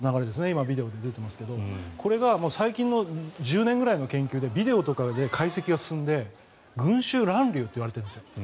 今、ビデオで出ていますがこれが最近の１０年ぐらいの研究でビデオとかで解析が進んで群衆乱流と言われているんです。